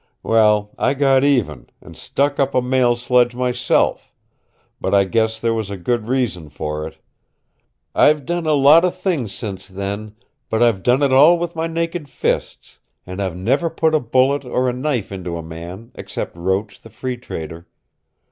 Well, I got even, and stuck up a mail sledge myself but I guess there was a good reason for it. I've done a lot of things since then, but I've done it all with my naked fists, and I've never put a bullet or a knife into a man except Roach the Free Trader.